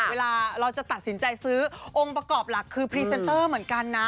เวลาเราจะตัดสินใจซื้อองค์ประกอบหลักคือพรีเซนเตอร์เหมือนกันนะ